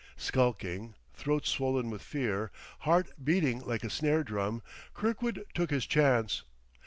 Skulking, throat swollen with fear, heart beating like a snare drum, Kirkwood took his chance.